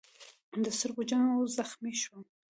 د سترګو جنګ و، زخمي شوم.